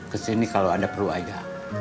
kesini kalau ada peru aja